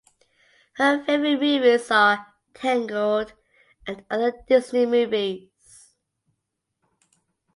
Her favorite movies are "Tangled" and other Disney movies.